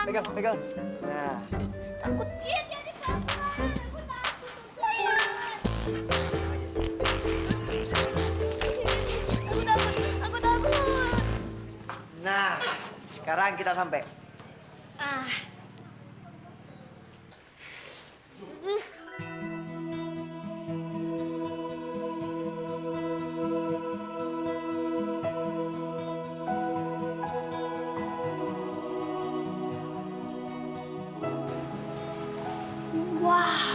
takut aku takut nah sekarang kita sampai ah